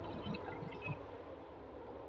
清真寺另一特色是没有宣礼塔。